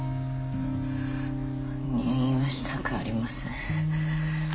入院はしたくありません。